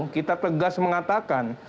kita tegas mengatakan